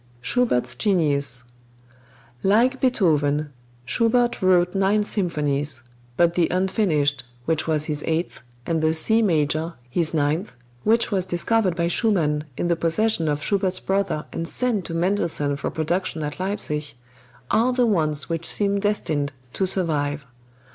Schubert's Genius. Like Beethoven, Schubert wrote nine symphonies, but the "Unfinished," which was his eighth, and the C major, his ninth, which was discovered by Schumann in the possession of Schubert's brother and sent to Mendelssohn for production at Leipzig, are the ones which seem destined to survive.